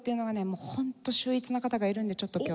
もうホント秀逸な方がいるのでちょっと今日。